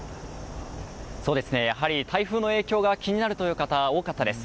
台風の影響が気になるという方多かったです。